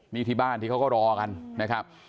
นี่ที่บ้านที่เขาก็รอกันนะครับ